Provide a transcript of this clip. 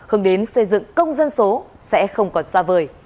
hướng đến xây dựng công dân số sẽ không còn xa vời